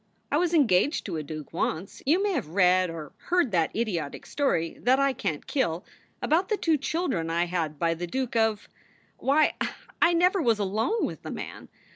I was engaged to a duke once you may have read or heard that idiotic story that I can t kill about the two children I had by the Duke of Why, I never was alone with the man!